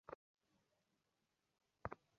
ডাকিলেন, মন্ত্রী।